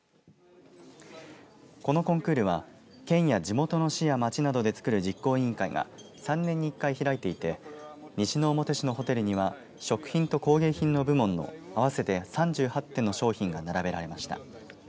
このコンクールは県や地元の市や町などでつくる実行委員会が３年に１回開いていて西之表市のホテルには食品と工芸品の部門の合わせて３８点の商品が並べられました。